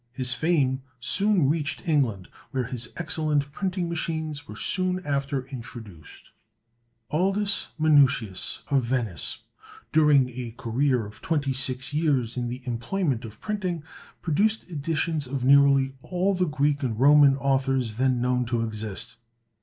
His fame soon reached England, where his excellent printing machines were soon after introduced. Aldus Manutius, of Venice, during a career of twenty six years in the employment of printing, produced editions of nearly all the Greek and Roman authors then known to exist.